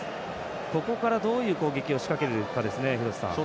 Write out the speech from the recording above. ここから、どういう攻撃を仕掛けるかですね。